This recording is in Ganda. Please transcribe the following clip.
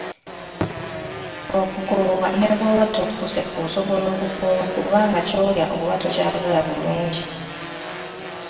Okukoowa ne bw'oba tokkuse osobola okukoowa kubanga ky'olya oba tokyagala bulungi.